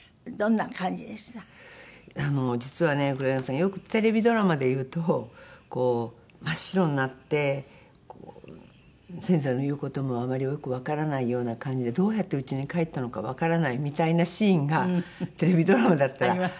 よくテレビドラマでいうとこう真っ白になって先生の言う事もあまりよくわからないような感じでどうやってうちに帰ったのかわからないみたいなシーンがテレビドラマだったらありますよね？